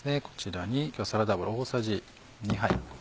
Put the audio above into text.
こちらにサラダ油大さじ２杯。